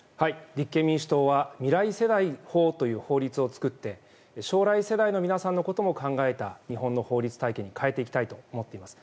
立憲民主党は未来世代法という法律を作って将来世代の皆さんのことも考えた制度を作って変えていきたいと思っています。